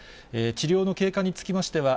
治療の経過につきましては、